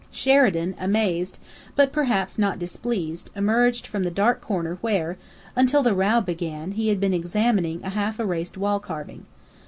Sheridan, amazed, but perhaps not displeased, emerged from the dark corner where, until the row began, he had been examining a half erased wall carving.